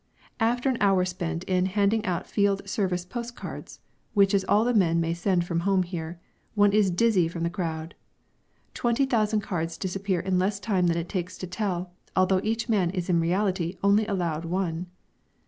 After an hour spent in handing out field service post cards (which is all the men may send home from here) one is dizzy from the crowd. Twenty thousand cards disappear in less time than it takes to tell, although each man is in reality only allowed one.